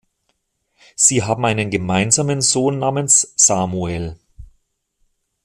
Sie haben einen gemeinsamen Sohn namens Samuel.